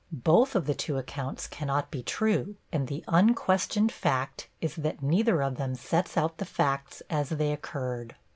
Both of the two accounts cannot be true, and the unquestioned fact is that neither of them sets out the facts as they occurred.